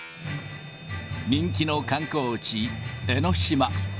人気の観光地、江の島。